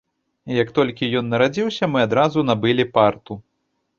Як толькі ён нарадзіўся, мы адразу набылі парту.